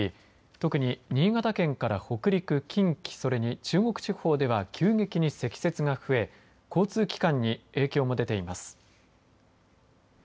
特に新潟県から北陸、近畿それに中国地方では急激に積雪が増え交通機関に影響も出ています。